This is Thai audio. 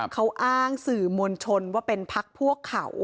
เขาอ้างสื่อมวลชนว่าเป็นพักพวกเขา